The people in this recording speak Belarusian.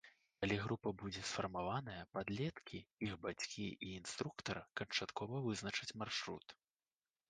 Калі група будзе сфармаваная, падлеткі, іх бацькі і інструктар канчаткова вызначаць маршрут.